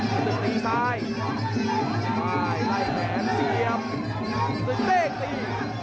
สุดที่ซ้ายซ้ายไล่แผนเสียบสุดเต้นตี